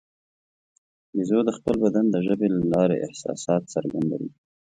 بیزو د خپل بدن د ژبې له لارې احساسات څرګندوي.